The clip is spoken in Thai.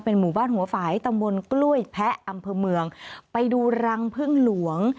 หมู่บ้านหัวฝ่ายตำบลกล้วยแพะอำเภอเมืองไปดูรังพึ่งหลวง